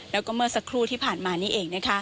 แล้วก็เมื่อสักครู่ที่ผ่านมานี่เอง